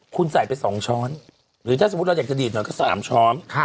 คุณใส่ไป๒ช้อนหรือถ้าสมมุติเราอยากจะดีดหน่อยก็๓ช้อน